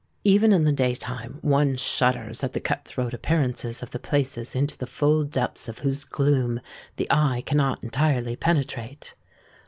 Even in the day time one shudders at the cut throat appearance of the places into the full depths of whose gloom the eye cannot entirely penetrate.